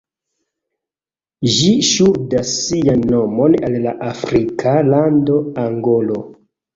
Ĝi ŝuldas sian nomon al la afrika lando Angolo.